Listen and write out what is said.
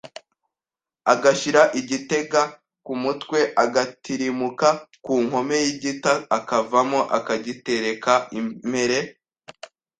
Agashyira igitenga ku mutwe Agatirimuka ku nkome y’igita akavamo akagitereka imere